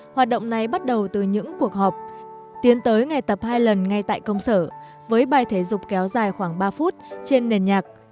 hoạt động này bắt đầu từ những cuộc họp tiến tới ngày tập hai lần ngay tại công sở với bài thể dục kéo dài khoảng ba phút trên nền nhạc